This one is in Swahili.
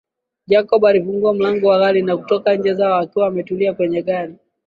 Jacob alifungua mlango wa gari na kutoka nje Zo akiwa ametulia kwenye gari